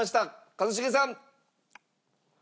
一茂さん。